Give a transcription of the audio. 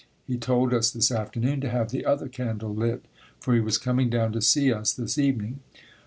He told us this afternoon to have "the other candle lit" for he was coming down to see us this evening.